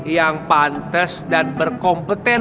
yang pantes dan berkompeten